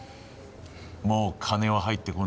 もう金は入ってこない。